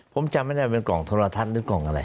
ผมจำไม่ได้เป็นกล่องโทรทัศน์หรือกล่องอะไร